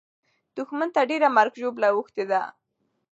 دښمن ته ډېره مرګ او ژوبله اوښتې ده.